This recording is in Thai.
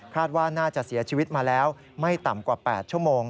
ว่าน่าจะเสียชีวิตมาแล้วไม่ต่ำกว่า๘ชั่วโมง